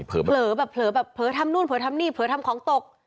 เผลอแบบเผลอแบบเผลอทำนู่นเผลอทำนี่เผลอทำของตก